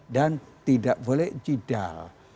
dan tidak boleh jidal